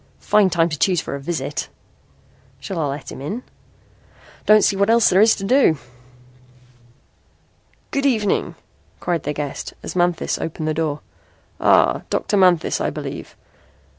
"Fine time he chose for a visit." "Shall I let him in?" "Don't see what else there is to do." "Good evening," cried their guest as Manthis opened the door. "Ah, Dr. Manthis, I believe.